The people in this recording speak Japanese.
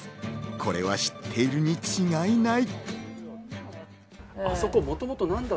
これは知っているに違いない。